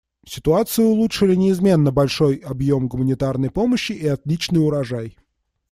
Ситуацию улучшили неизменно большой объем гуманитарной помощи и отличный урожай.